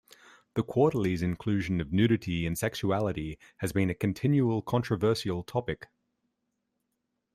The "Quarterly"'s inclusion of nudity and sexuality has been a continual controversial topic.